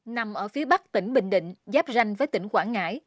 nằm ở phía bắc tỉnh bình định giáp ranh với tỉnh quảng ngãi